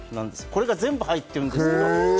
これが全部入ってるんです。